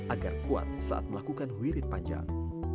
agar kuat saat melakukan wirit panjang